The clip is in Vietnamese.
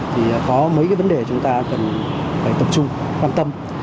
thì có mấy cái vấn đề chúng ta cần phải tập trung quan tâm